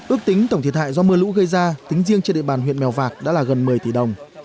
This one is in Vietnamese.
ước tính tổng thiệt hại do mưa lũ gây ra tính riêng trên địa bàn huyện mèo vạc đã là gần một mươi tỷ đồng